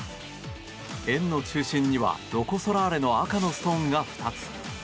円の中心にはロコ・ソラーレの赤のストーンが２つ。